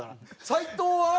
斉藤は？